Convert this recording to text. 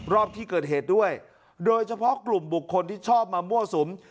รอบที่เกิดเหตุด้วยโดยเฉพาะกลุ่มบุคคลที่ชอบมามั่วสุม